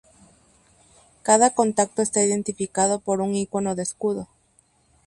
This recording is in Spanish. Cada contacto está identificado por un icono de escudo.